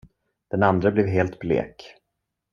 Den andre blev helt blek.